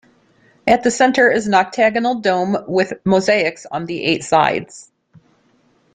At the centre is an octagonal dome, with mosaics on the eight sides.